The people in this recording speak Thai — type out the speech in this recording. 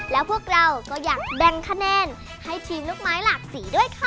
แล้วพวกเราก็อยากแบ่งคะแนนให้ทีมลูกไม้หลากสีด้วยค่ะ